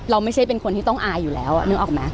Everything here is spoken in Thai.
ไม่ใช่เป็นคนที่ต้องอายอยู่แล้วนึกออกไหม